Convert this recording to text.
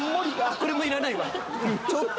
これもいらないわ。